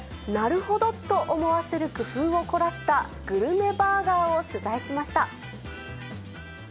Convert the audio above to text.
なるほどと思わせる工夫を凝らしたグルメバーガーを取材しました。